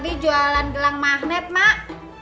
ini jualan gelang magnet mak